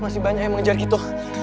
masih banyak yang mengejar itu